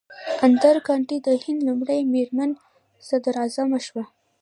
اندرا ګاندي د هند لومړۍ میرمن صدراعظم شوه.